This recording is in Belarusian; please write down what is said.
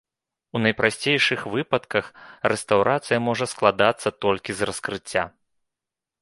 У найпрасцейшых выпадках рэстаўрацыя можа складацца толькі з раскрыцця.